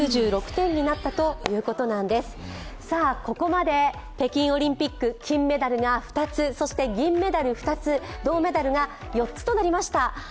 ここまで北京オリンピック金メダルが２つ、銀メダル２つ、銅メダルが４つとなりました。